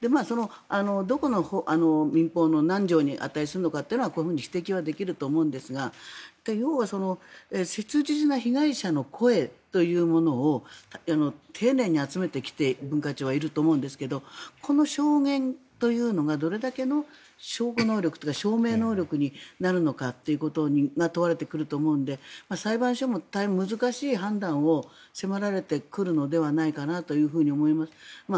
どこの民法の何条に値するかというのはこういうふうに指摘できると思うんですが要は切実な被害者の声というものを文化庁は丁寧に集めてきていると思うんですけどこの証言というのがどれだけの証拠能力というか証明能力になるのかということが問われてくると思うので裁判所も大変難しい判断を迫られてくるのではないかなと思います。